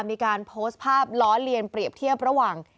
มีการโพสต์ภาพล้อเลียนเปรียบเทียบระหว่าง